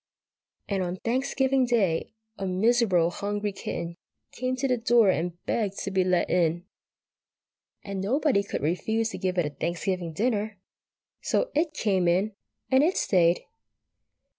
And on Thanksgiving Day a miserable hungry kitten came to the door and begged to be let in, and nobody could refuse to give it a Thanksgiving dinner, so it came in, and it stayed.